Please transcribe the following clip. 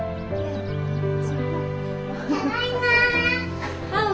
・ただいま。